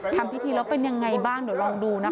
ทำพิธีแล้วเป็นยังไงบ้างเดี๋ยวลองดูนะคะ